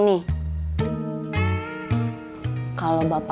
di tempat gak peduli yaa